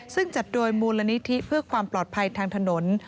ซึ่งจัดโดยมูลนิธิเพื่อความปลอดภัยทางถนน